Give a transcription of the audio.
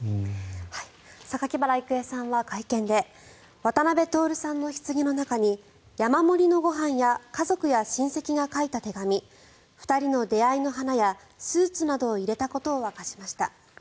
榊原郁恵さんは、会見で渡辺徹さんのひつぎの中に山盛りのご飯や家族や親戚が書いた手紙２人の出会いの花やスーツなどを入れたことを明かしました。